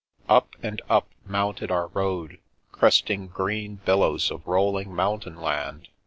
Up and up mounted our road, cresting green bil lows of rolling mountain land.